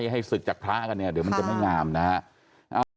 ให้ศึกจากพระกันเนี่ยเดี๋ยวมันจะไม่งามนะฮะ